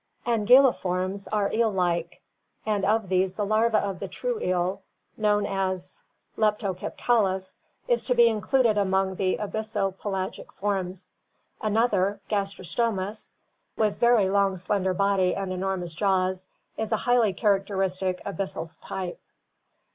Anguilliformes are eel like, and of these the larva of the true eel, known as Leptocepkalus, is to be included among the abysso pelagic forms. Another, Gastrostomus (Fig. 96,C), with very long, slender body and enormous jaws, is a highly characteristic abyssal type.